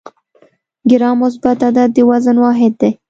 ګرام مثبت عدد د وزن واحد دی.